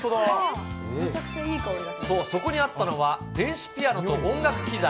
そこにあったのは電子ピアノと音楽機材。